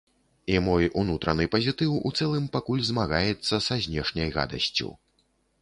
І мой унутраны пазітыў у цэлым пакуль змагаецца са знешняй гадасцю.